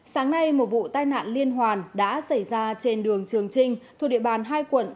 sáng nay một vụ tai nạn liên hoàn đã xảy ra trên đường trường trinh thuộc địa bàn hai quận